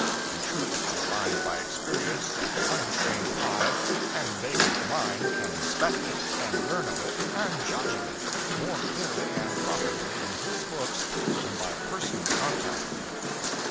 In truth, I find by experience, that the untrained eye and vacant mind can inspect it, and learn of it, and judge of it, more clearly and profitably in his books than by personal contact with it.